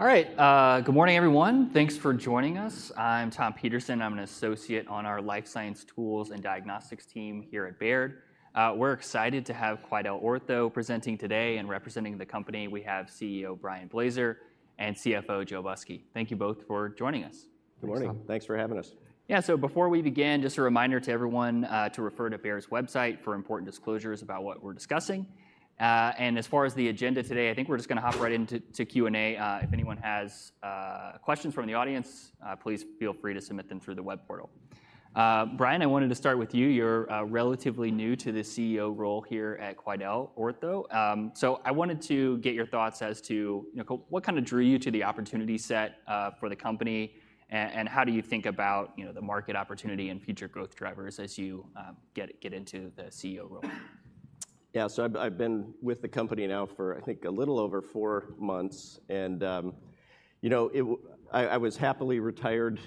All right, good morning, everyone. Thanks for joining us. I'm Tom Peterson. I'm an associate on our Life Science Tools and Diagnostics team here at Baird. We're excited to have QuidelOrtho presenting today, and representing the company, we have CEO Brian Blaser and CFO Joe Busky. Thank you both for joining us. Good morning. Thanks, Tom. Thanks for having us. Yeah, so before we begin, just a reminder to everyone, to refer to Baird's website for important disclosures about what we're discussing. And as far as the agenda today, I think we're just gonna hop right into Q&A. If anyone has questions from the audience, please feel free to submit them through the web portal. Brian, I wanted to start with you. You're relatively new to the CEO role here at QuidelOrtho. So I wanted to get your thoughts as to, you know, what kind of drew you to the opportunity set, for the company, and how do you think about, you know, the market opportunity and future growth drivers as you get into the CEO role? Yeah, so I've been with the company now for, I think, a little over four months, and, you know, I was happily retired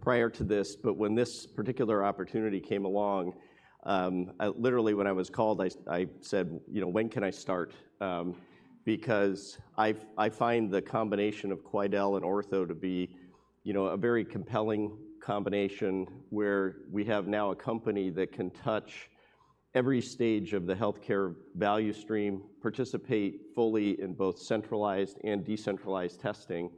prior to this, but when this particular opportunity came along, I... Literally, when I was called, I said, "You know, when can I start?" because I find the combination of Quidel and Ortho to be, you know, a very compelling combination, where we have now a company that can touch every stage of the healthcare value stream, participate fully in both centralized and decentralized testing.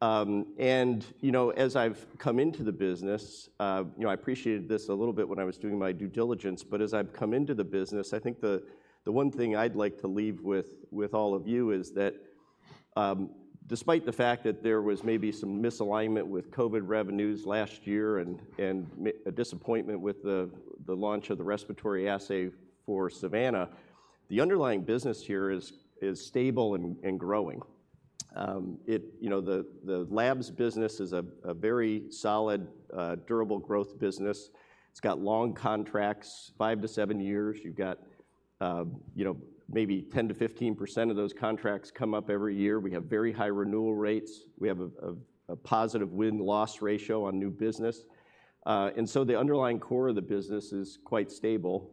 You know, as I've come into the business, you know, I appreciated this a little bit when I was doing my due diligence, but as I've come into the business, I think the one thing I'd like to leave with all of you is that, despite the fact that there was maybe some misalignment with COVID revenues last year and a disappointment with the launch of the respiratory assay for Savanna, the underlying business here is stable and growing. You know, the Labs business is a very solid, durable growth business. It's got long contracts, five to seven years. You've got, you know, maybe 10%-15% of those contracts come up every year. We have very high renewal rates. We have a positive win-loss ratio on new business. And so the underlying core of the business is quite stable.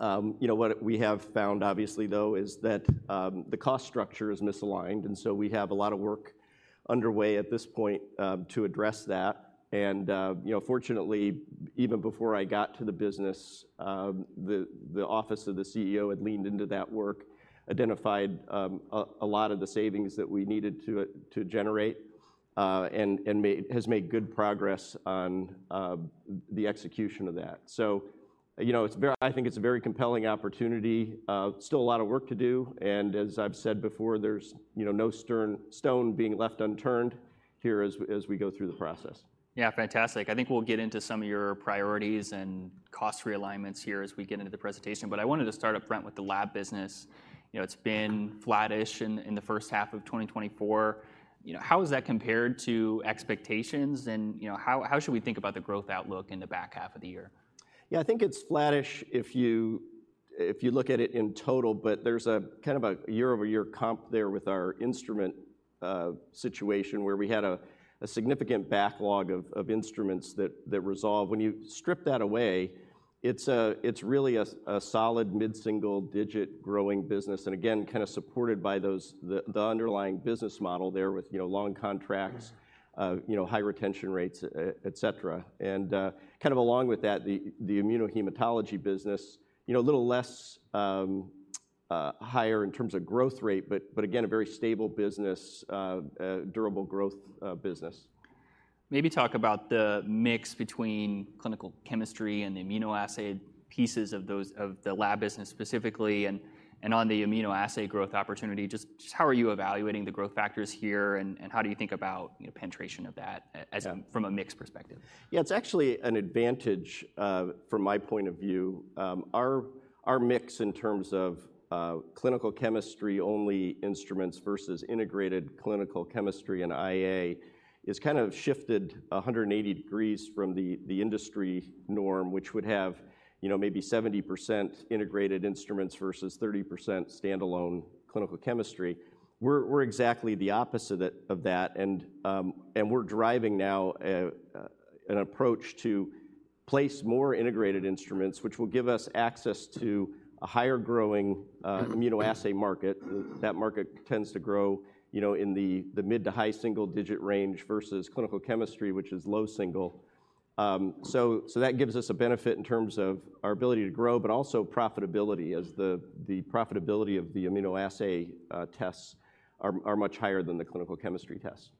You know, what we have found obviously, though, is that, the cost structure is misaligned, and so we have a lot of work underway at this point, to address that. And, you know, fortunately, even before I got to the business, the Office of the CEO had leaned into that work, identified, a lot of the savings that we needed to generate, and has made good progress on, the execution of that. So, you know, it's a very... I think it's a very compelling opportunity. Still a lot of work to do, and as I've said before, there's, you know, no stone being left unturned here as we go through the process. Yeah, fantastic. I think we'll get into some of your priorities and cost realignments here as we get into the presentation, but I wanted to start up front with the lab business. You know, it's been flattish in the first half of 2024. You know, how has that compared to expectations and, you know, how should we think about the growth outlook in the back half of the year? Yeah, I think it's flattish if you look at it in total, but there's a kind of a year-over-year comp there with our instrument situation, where we had a significant backlog of instruments that resolved. When you strip that away, it's really a solid mid-single digit growing business, and again, kind of supported by the underlying business model there with, you know, long contracts, you know, high retention rates, et cetera. And kind of along with that, the Immunohematology business, you know, a little less higher in terms of growth rate, but again, a very stable business, durable growth business. Maybe talk about the mix between clinical chemistry and the immunoassay pieces of those, of the Labs business specifically, and on the immunoassay growth opportunity, just how are you evaluating the growth factors here, and how do you think about, you know, penetration of that as- Yeah... from a mix perspective? Yeah, it's actually an advantage from my point of view. Our mix in terms of clinical chemistry only instruments versus integrated clinical chemistry and IA is kind of shifted a 180 degrees from the industry norm, which would have, you know, maybe 70% integrated instruments versus 30% standalone clinical chemistry. We're exactly the opposite of that, and we're driving now an approach to place more integrated instruments, which will give us access to a higher growing immunoassay market. That market tends to grow, you know, in the mid to high single digit range versus clinical chemistry, which is low single. So, that gives us a benefit in terms of our ability to grow, but also profitability, as the profitability of the immunoassay tests are much higher than the clinical chemistry tests.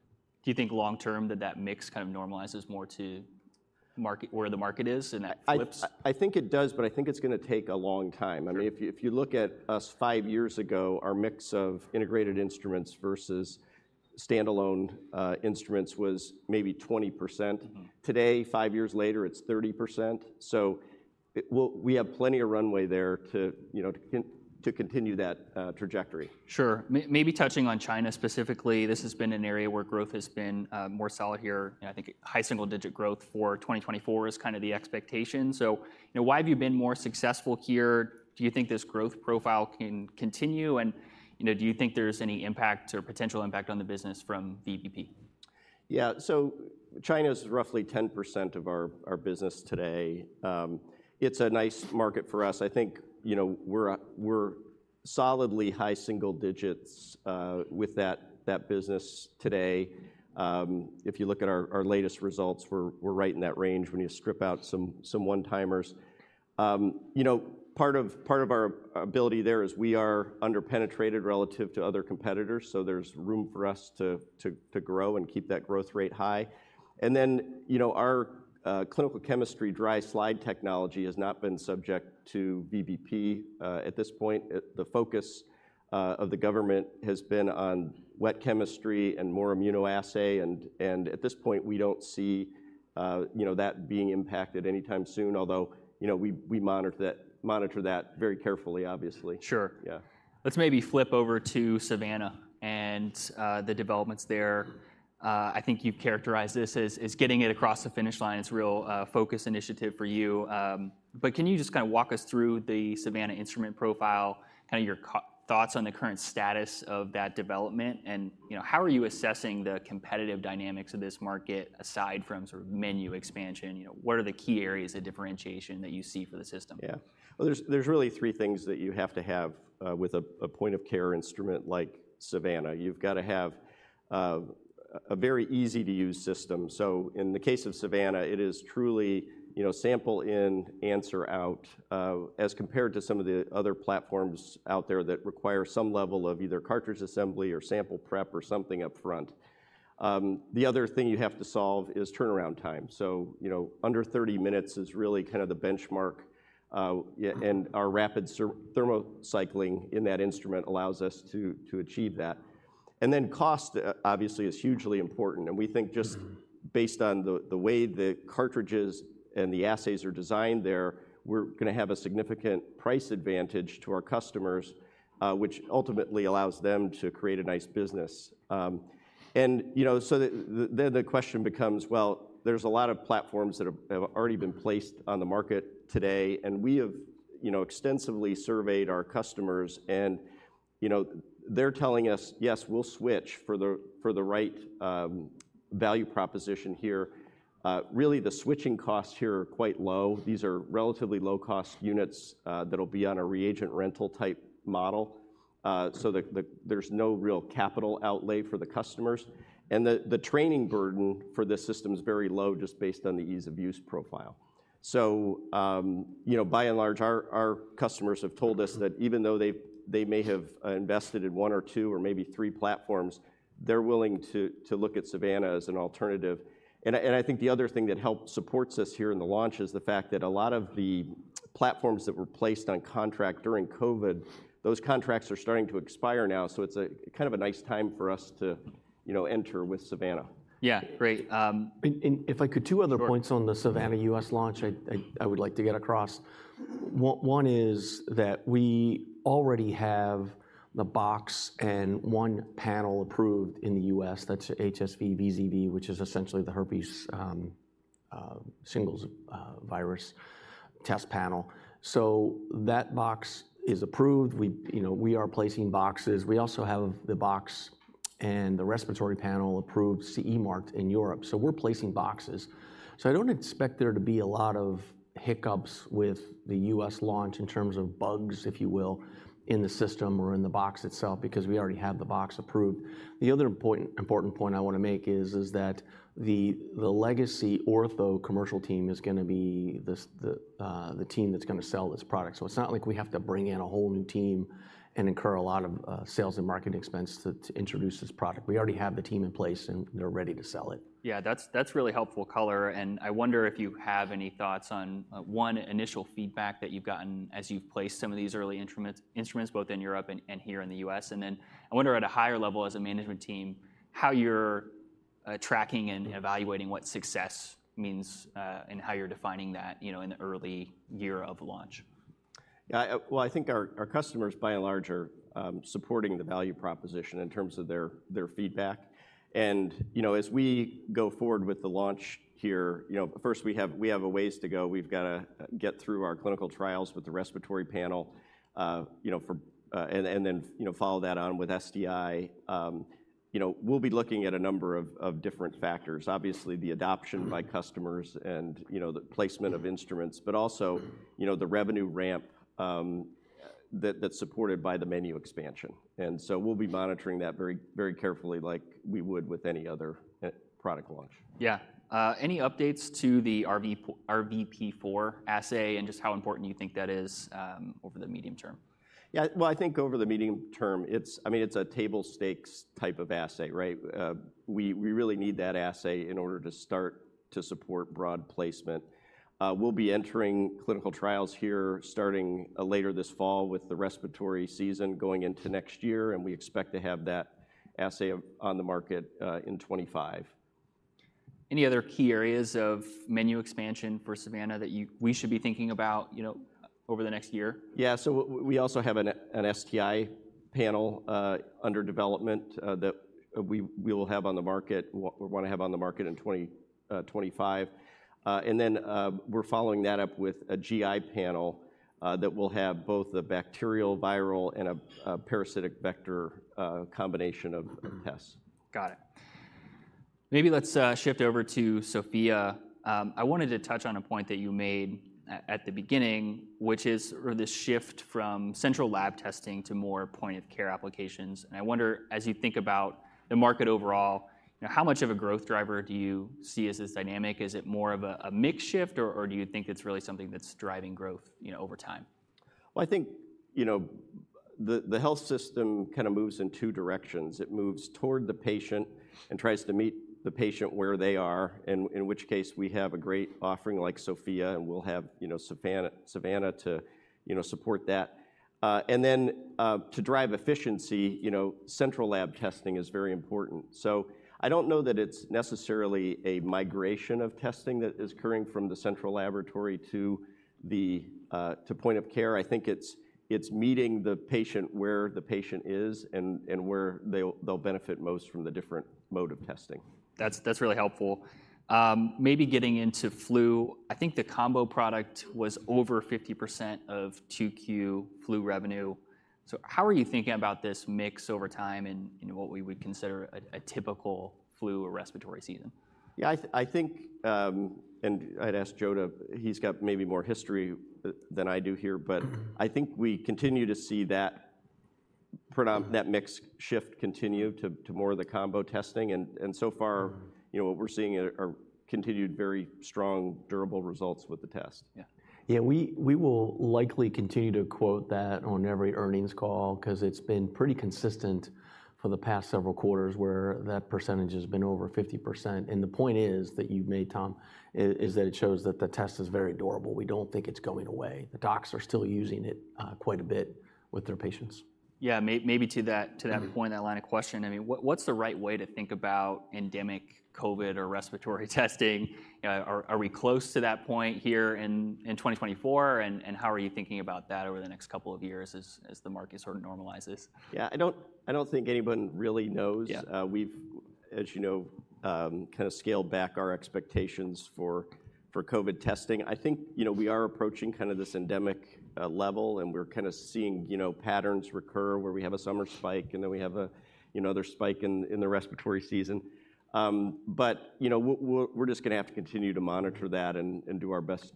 Do you think long term that that mix kind of normalizes more to market, where the market is, and that flips? I think it does, but I think it's gonna take a long time. Sure. I mean, if you, if you look at us five years ago, our mix of integrated instruments versus standalone, instruments was maybe 20%. Mm. Today, five years later, it's 30%, so we have plenty of runway there to, you know, continue that trajectory. Sure. Maybe touching on China specifically, this has been an area where growth has been more solid here, and I think high single-digit growth for 2024 is kind of the expectation. So, you know, why have you been more successful here? Do you think this growth profile can continue, and, you know, do you think there's any impact or potential impact on the business from VBP?... Yeah, so China is roughly 10% of our business today. It's a nice market for us. I think, you know, we're solidly high single digits with that business today. If you look at our latest results, we're right in that range when you strip out some one-timers. You know, part of our ability there is we are under-penetrated relative to other competitors, so there's room for us to grow and keep that growth rate high. And then, you know, our clinical chemistry dry slide technology has not been subject to VBP at this point. The focus of the government has been on wet chemistry and more immunoassay, and at this point, we don't see, you know, that being impacted anytime soon, although, you know, we monitor that very carefully, obviously. Sure. Yeah. Let's maybe flip over to Savanna and the developments there. I think you've characterized this as getting it across the finish line. It's a real focus initiative for you, but can you just kind of walk us through the Savanna instrument profile, kind of your thoughts on the current status of that development, and, you know, how are you assessing the competitive dynamics of this market aside from sort of menu expansion? You know, what are the key areas of differentiation that you see for the system? Yeah. Well, there are really three things that you have to have with a point-of-care instrument like Savanna. You've got to have a very easy-to-use system. So in the case of Savanna, it is truly, you know, sample in, answer out, as compared to some of the other platforms out there that require some level of either cartridge assembly or sample prep or something up front. The other thing you have to solve is turnaround time. So, you know, under 30 minutes is really kind of the benchmark, and our rapid thermocycling in that instrument allows us to achieve that. And then cost, obviously, is hugely important, and we think just based on the way the cartridges and the assays are designed there, we're gonna have a significant price advantage to our customers, which ultimately allows them to create a nice business. And, you know, so then the question becomes, well, there's a lot of platforms that have already been placed on the market today, and we have, you know, extensively surveyed our customers, and, you know, they're telling us, "Yes, we'll switch for the right value proposition here." Really, the switching costs here are quite low. These are relatively low-cost units, that'll be on a reagent rental-type model, so there's no real capital outlay for the customers, and the training burden for this system is very low, just based on the ease-of-use profile. So, you know, by and large, our customers have told us that even though they may have invested in one or two or maybe three platforms, they're willing to look at Savanna as an alternative. And I think the other thing that helps supports us here in the launch is the fact that a lot of the platforms that were placed on contract during COVID, those contracts are starting to expire now, so it's kind of a nice time for us to, you know, enter with Savanna. Yeah. Great, And if I could, two other points. Sure... on the Savanna U.S. launch I'd like to get across. One is that we already have the box and one panel approved in the U.S. that's HSV-VZV, which is essentially the herpes, shingles, virus test panel. So that box is approved. We, you know, we are placing boxes. We also have the box and the respiratory panel approved CE marked in Europe, so we're placing boxes. So I don't expect there to be a lot of hiccups with the U.S. launch in terms of bugs, if you will, in the system or in the box itself, because we already have the box approved. The other important point I want to make is that the legacy Ortho commercial team is gonna be the team that's gonna sell this product. So it's not like we have to bring in a whole new team and incur a lot of sales and marketing expense to introduce this product. We already have the team in place, and they're ready to sell it. Yeah, that's really helpful color, and I wonder if you have any thoughts on initial feedback that you've gotten as you've placed some of these early instruments both in Europe and here in the U.S. And then, I wonder, at a higher level as a management team, how you're tracking and evaluating what success means, and how you're defining that, you know, in the early year of launch? Yeah, well, I think our customers, by and large, are supporting the value proposition in terms of their feedback. And, you know, as we go forward with the launch here, you know, first, we have a ways to go. We've got to get through our clinical trials with the respiratory panel, you know, and then, you know, follow that on with Sofia. You know, we'll be looking at a number of different factors. Obviously, the adoption by customers and, you know, the placement of instruments, but also, you know, the revenue ramp that's supported by the menu expansion, and so we'll be monitoring that very carefully, like we would with any other product launch. Yeah, any updates to the RVP4 assay and just how important you think that is, over the medium term? Yeah, well, I think over the medium term, it's... I mean, it's a table stakes type of assay, right? We really need that assay in order to start to support broad placement. We'll be entering clinical trials here, starting later this fall, with the respiratory season going into next year, and we expect to have that assay on the market in 2025. Any other key areas of menu expansion for Savanna that we should be thinking about, you know, over the next year? Yeah, so we also have an STI panel under development that we will have on the market, wanna have on the market in 2025. And then, we're following that up with a GI panel that will have both the bacterial, viral, and a parasitic vector combination of tests. Got it. Maybe let's shift over to Sofia. I wanted to touch on a point that you made at the beginning, which is this shift from central lab testing to more point-of-care applications, and I wonder, as you think about the market overall, you know, how much of a growth driver do you see as this dynamic? Is it more of a mix shift, or do you think it's really something that's driving growth, you know, over time? I think, you know, the health system kind of moves in two directions. It moves toward the patient and tries to meet the patient where they are, and in which case, we have a great offering like Sofia, and we'll have, you know, Savanna to, you know, support that. And then, to drive efficiency, you know, central lab testing is very important. So I don't know that it's necessarily a migration of testing that is occurring from the central laboratory to the point-of-care. I think it's meeting the patient where the patient is and where they'll benefit most from the different mode of testing. That's really helpful. Maybe getting into flu: I think the combo product was over 50% of 2Q flu revenue. So how are you thinking about this mix over time and, you know, what we would consider a typical flu or respiratory season? Yeah, I think. And I'd ask Joe to, he's got maybe more history than I do here, but I think we continue to see that predom- Mm-hmm. That mix shift continue to more of the combo testing. And so far, you know, what we're seeing are continued, very strong, durable results with the test. Yeah. Yeah, we will likely continue to quote that on every earnings call, 'cause it's been pretty consistent for the past several quarters, where that percentage has been over 50%. And the point is, that you've made, Tom, is that it shows that the test is very durable. We don't think it's going away. The docs are still using it quite a bit with their patients. Yeah, maybe to that. Mm-hmm... point and line of question, I mean, what, what's the right way to think about endemic COVID or respiratory testing? You know, are we close to that point here in 2024? And how are you thinking about that over the next couple of years as the market sort of normalizes? Yeah, I don't think anyone really knows. Yeah. We've, as you know, kind of scaled back our expectations for COVID testing. I think, you know, we are approaching kind of this endemic level, and we're kind of seeing, you know, patterns recur, where we have a summer spike, and then we have a you know other spike in the respiratory season, but you know, we're just gonna have to continue to monitor that and do our best,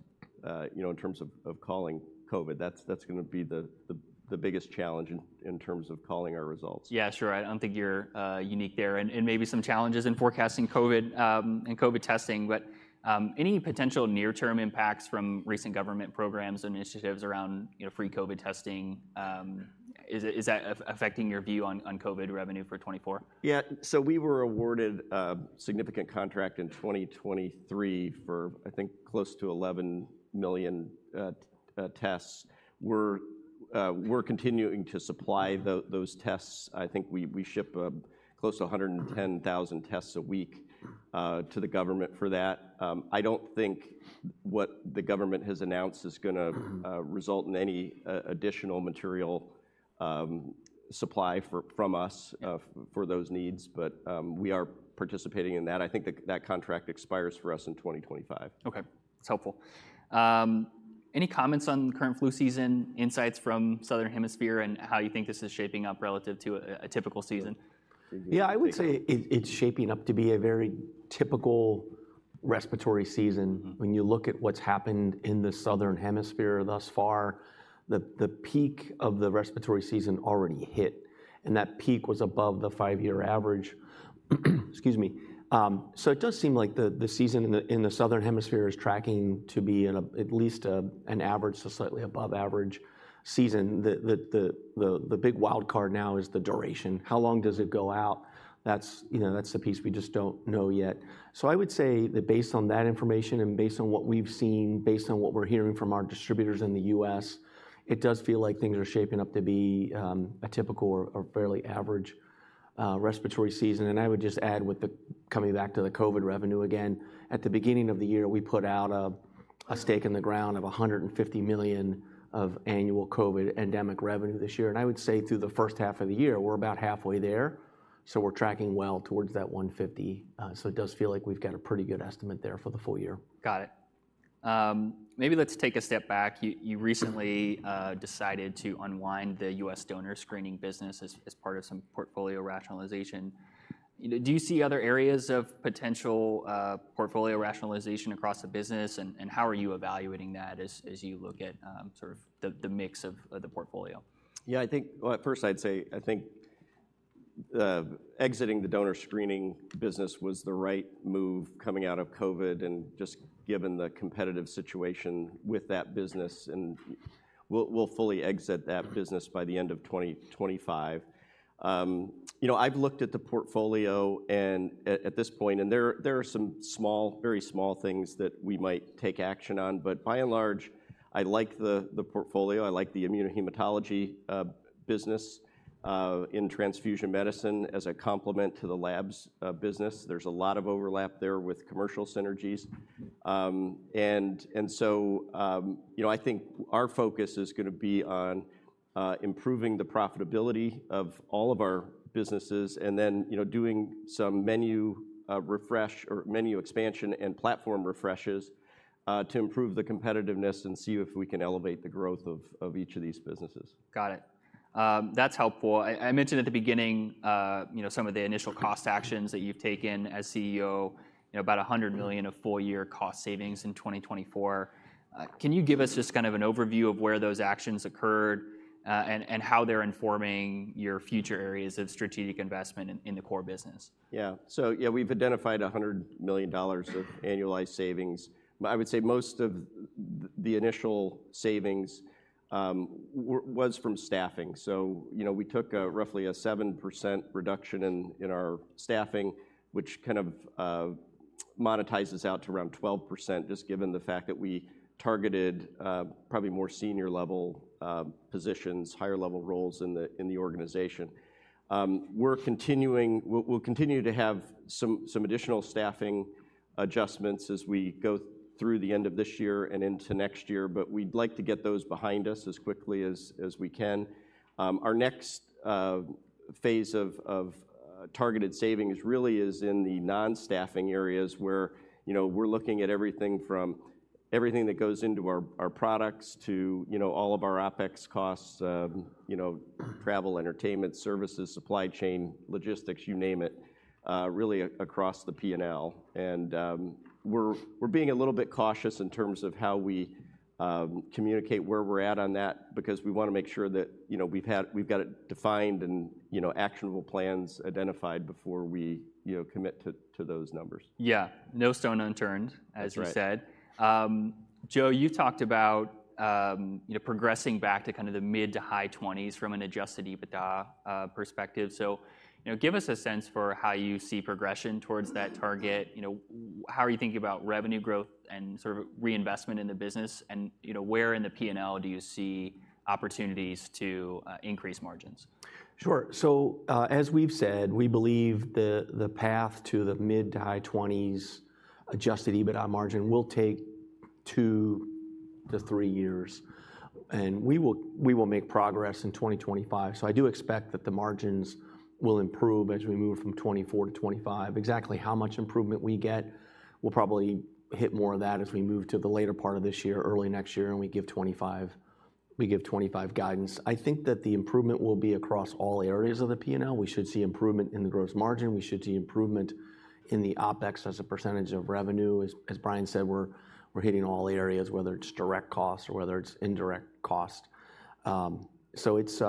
you know, in terms of calling COVID. That's gonna be the biggest challenge in terms of calling our results. Yeah, sure. I don't think you're unique there, and maybe some challenges in forecasting COVID and COVID testing. But any potential near-term impacts from recent government programs, initiatives around, you know, free COVID testing, is that affecting your view on COVID revenue for 2024? Yeah. So we were awarded a significant contract in 2023 for, I think, close to eleven million tests. We're continuing to supply those tests. I think we ship close to a 110,000 tests a week to the government for that. I don't think what the government has announced is gonna result in any additional material supply for, from us. Yeah... for those needs, but, we are participating in that. I think that contract expires for us in 2025. Okay. That's helpful. Any comments on the current flu season, insights from Southern Hemisphere, and how you think this is shaping up relative to a typical season? Yeah, I would say it's shaping up to be a very typical respiratory season. Mm. When you look at what's happened in the Southern Hemisphere thus far, the peak of the respiratory season already hit, and that peak was above the five-year average. Excuse me. So it does seem like the season in the Southern Hemisphere is tracking to be at least an average to slightly above average season. The big wild card now is the duration. How long does it go out? That's, you know, that's the piece we just don't know yet. So I would say that based on that information and based on what we've seen, based on what we're hearing from our distributors in the U.S., it does feel like things are shaping up to be a typical or fairly average respiratory season. And I would just add with the... Coming back to the COVID revenue again, at the beginning of the year, we put out a stake in the ground of $150 million of annual COVID endemic revenue this year, and I would say through the first half of the year, we're about halfway there, so we're tracking well towards that $150 million. So it does feel like we've got a pretty good estimate there for the full year. Got it. Maybe let's take a step back. You recently decided to unwind the U.S. Donor Screening business as part of some portfolio rationalization. You know, do you see other areas of potential portfolio rationalization across the business, and how are you evaluating that as you look at sort of the mix of the portfolio? Yeah, I think, well, at first I'd say exiting the Donor Screening business was the right move coming out of COVID, and just given the competitive situation with that business, and we'll fully exit that business by the end of 2025. You know, I've looked at the portfolio, and at this point, and there are some small, very small things that we might take action on, but by and large, I like the portfolio. I like the Immunohematology business in transfusion medicine as a complement to the Labs business. There's a lot of overlap there with commercial synergies. You know, I think our focus is gonna be on improving the profitability of all of our businesses and then, you know, doing some menu refresh or menu expansion and platform refreshes to improve the competitiveness and see if we can elevate the growth of each of these businesses. Got it. That's helpful. I mentioned at the beginning, you know, some of the initial cost actions that you've taken as CEO, you know, about $100 million- Mm... of full-year cost savings in 2024. Can you give us just kind of an overview of where those actions occurred, and how they're informing your future areas of strategic investment in the core business? Yeah. So yeah, we've identified $100 million of annualized savings. But I would say most of the-... the initial savings was from staffing. So, you know, we took a roughly 7% reduction in our staffing, which kind of monetizes out to around 12%, just given the fact that we targeted probably more senior level positions, higher level roles in the organization. We're continuing. We'll continue to have some additional staffing adjustments as we go through the end of this year and into next year, but we'd like to get those behind us as quickly as we can. Our next phase of targeted savings really is in the non-staffing areas, where, you know, we're looking at everything that goes into our products to, you know, all of our OpEx costs, you know, travel, entertainment, services, supply chain, logistics, you name it, really across the P&L. We're being a little bit cautious in terms of how we communicate where we're at on that because we wanna make sure that, you know, we've got it defined and, you know, actionable plans identified before we, you know, commit to those numbers. Yeah. No stone unturned- That's right... as you said. Joe, you talked about, you know, progressing back to kind of the mid to high twenties from an Adjusted EBITDA perspective. So, you know, give us a sense for how you see progression towards that target. You know, how are you thinking about revenue growth and sort of reinvestment in the business? And, you know, where in the P&L do you see opportunities to increase margins? Sure. So, as we've said, we believe the path to the mid- to high-20s Adjusted EBITDA margin will take two to three years, and we will make progress in 2025. So I do expect that the margins will improve as we move from 2024 to 2025. Exactly how much improvement we get, we'll probably hit more of that as we move to the later part of this year or early next year, and we give 25 guidance. I think that the improvement will be across all areas of the P&L. We should see improvement in the gross margin. We should see improvement in the OpEx as a percentage of revenue. As Brian said, we're hitting all areas, whether it's direct costs or whether it's indirect cost. So it's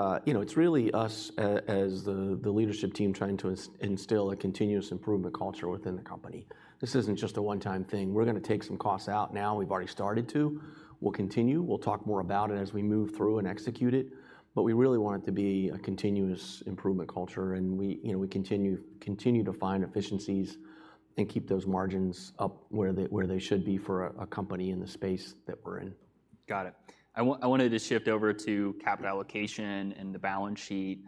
really us as the leadership team trying to instill a continuous improvement culture within the company. This isn't just a one-time thing. We're gonna take some costs out now. We've already started to. We'll continue. We'll talk more about it as we move through and execute it, but we really want it to be a continuous improvement culture, and you know, we continue to find efficiencies and keep those margins up where they should be for a company in the space that we're in. Got it. I wanted to shift over to capital allocation and the balance sheet.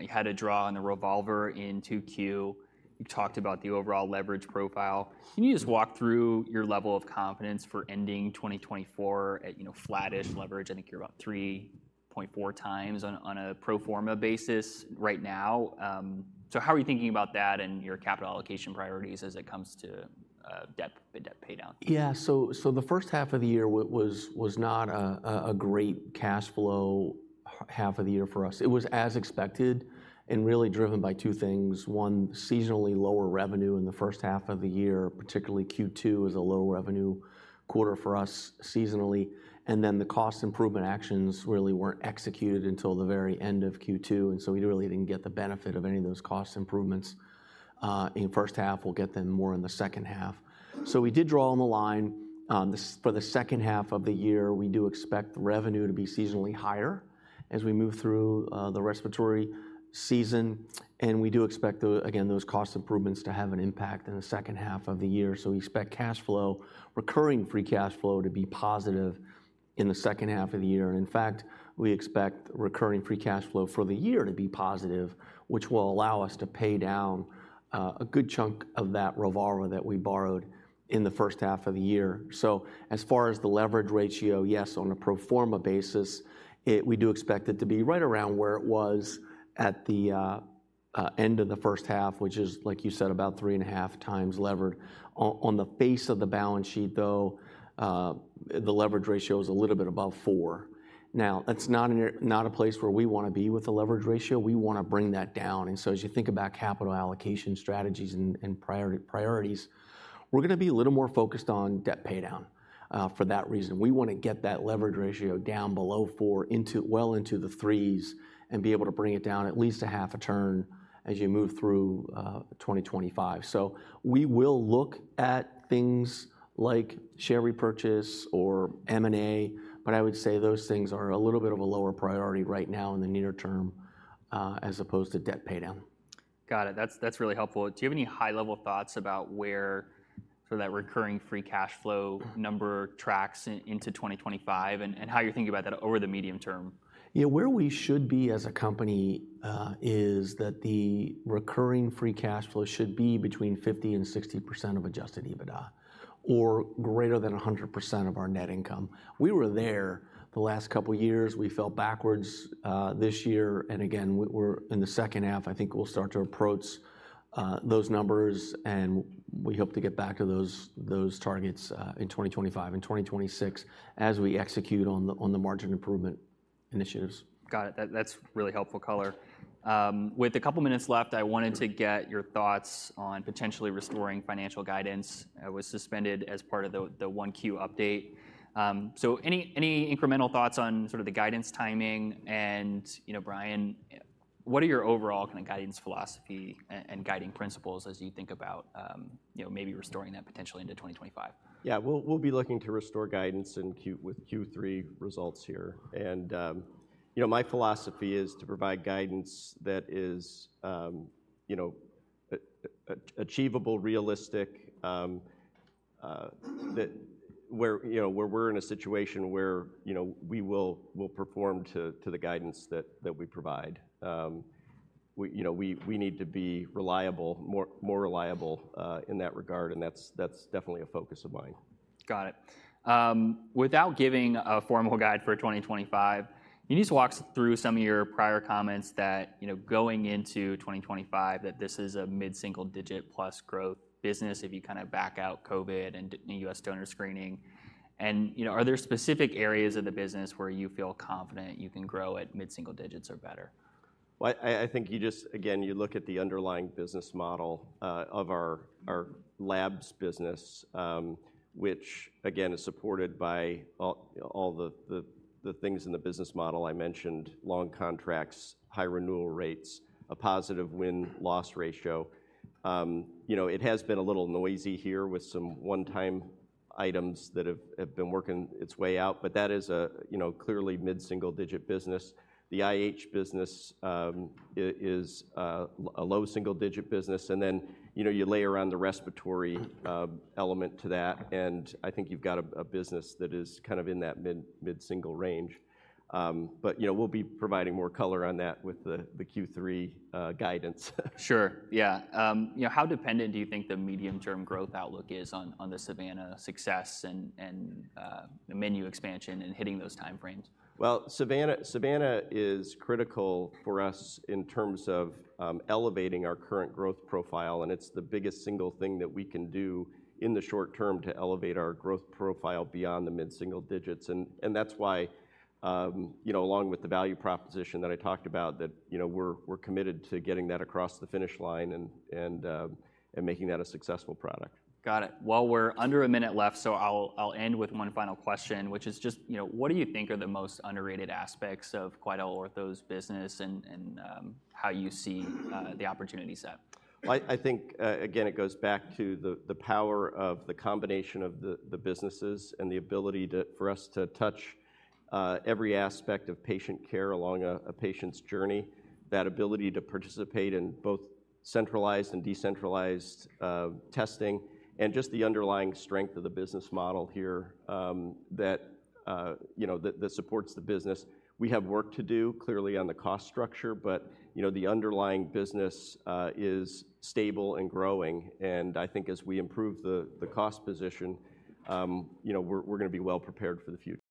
You had to draw on the revolver in 2Q. You talked about the overall leverage profile. Can you just walk through your level of confidence for ending 2024 at, you know, flattish leverage? I think you're about three point four times on, on a pro forma basis right now. So how are you thinking about that and your capital allocation priorities as it comes to, debt, the debt pay down? Yeah. So the first half of the year was not a great cash flow half of the year for us. It was as expected and really driven by two things: one, seasonally lower revenue in the first half of the year, particularly Q2 is a low revenue quarter for us seasonally, and then the cost improvement actions really weren't executed until the very end of Q2, and so we really didn't get the benefit of any of those cost improvements in first half. We'll get them more in the second half. So we did draw on the line. For the second half of the year, we do expect revenue to be seasonally higher as we move through the respiratory season, and we do expect, again, those cost improvements to have an impact in the second half of the year. We expect cash flow, recurring free cash flow, to be positive in the second half of the year. In fact, we expect recurring free cash flow for the year to be positive, which will allow us to pay down a good chunk of that revolver that we borrowed in the first half of the year. As far as the leverage ratio, yes, on a pro forma basis, we do expect it to be right around where it was at the end of the first half, which is, like you said, about three and a half times levered. On the face of the balance sheet, though, the leverage ratio is a little bit above four. Now, that's not a place where we wanna be with the leverage ratio. We wanna bring that down. And so as you think about capital allocation strategies and priority, priorities, we're gonna be a little more focused on debt paydown for that reason. We wanna get that leverage ratio down below four, into well into the threes and be able to bring it down at least a half a turn as you move through 2025. So we will look at things like share repurchase or M&A, but I would say those things are a little bit of a lower priority right now in the near term as opposed to debt paydown. Got it. That's, that's really helpful. Do you have any high-level thoughts about where sort of that recurring free cash flow number tracks into 2025, and, and how you're thinking about that over the medium term? Yeah, where we should be as a company is that the recurring free cash flow should be between 50%-60% of adjusted EBITDA or greater than 100% of our net income. We were there the last couple of years. We fell backwards this year, and again, we're in the second half. I think we'll start to approach those numbers, and we hope to get back to those targets in 2025 and 2026 as we execute on the margin improvement initiatives. Got it. That's really helpful color. With a couple minutes left, I wanted to get your thoughts on potentially restoring financial guidance. It was suspended as part of the 1Q update. So any incremental thoughts on sort of the guidance timing and, you know, Brian, what are your overall kind of guidance philosophy and guiding principles as you think about, you know, maybe restoring that potentially into 2025? Yeah, we'll be looking to restore guidance in Q3, with Q3 results here. And, you know, my philosophy is to provide guidance that is, you know, achievable, realistic, that where, you know, where we're in a situation where, you know, we will perform to the guidance that we provide. You know, we need to be more reliable in that regard, and that's definitely a focus of mine. Got it. Without giving a formal guide for 2025, can you just walk through some of your prior comments that, you know, going into 2025, that this is a mid-single digit plus growth business, if you kind of back out COVID and the U.S. Donor Screening? And, you know, are there specific areas of the business where you feel confident you can grow at mid-single digits or better? Well, I think you just, again, you look at the underlying business model of our Labs business, which again is supported by all the things in the business model I mentioned: long contracts, high renewal rates, a positive win-loss ratio. You know, it has been a little noisy here with some one-time items that have been working its way out, but that is, you know, clearly mid-single digit business. The IH business is a low single digit business, and then, you know, you layer on the respiratory element to that, and I think you've got a business that is kind of in that mid-single range. But, you know, we'll be providing more color on that with the Q3 guidance. Sure, yeah. You know, how dependent do you think the medium-term growth outlook is on the Savanna success and the menu expansion and hitting those time frames? Savanna, Savanna is critical for us in terms of elevating our current growth profile, and it's the biggest single thing that we can do in the short term to elevate our growth profile beyond the mid-single digits, and that's why, you know, along with the value proposition that I talked about, that, you know, we're committed to getting that across the finish line and making that a successful product. Got it. Well, we're under a minute left, so I'll end with one final question, which is just, you know, what do you think are the most underrated aspects of QuidelOrtho's business and how you see the opportunity set? I think, again, it goes back to the power of the combination of the businesses and the ability to, for us to touch, every aspect of patient care along a patient's journey. That ability to participate in both centralized and decentralized testing, and just the underlying strength of the business model here, that you know that supports the business. We have work to do, clearly, on the cost structure, but, you know, the underlying business is stable and growing, and I think as we improve the cost position, you know, we're, we're gonna be well prepared for the future.